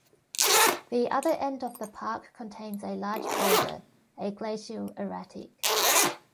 The other end of the park contains a large boulder, a glacial erratic.